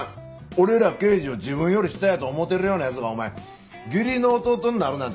俺ら刑事を自分より下やと思うてるような奴がお前義理の弟になるなんてまっぴらや。